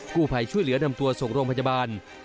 ผู้ภัยช่วยเหลือนำตัวส่งโรงพยาบาล